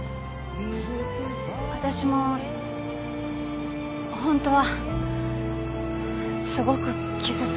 私もホントはすごく傷つきました。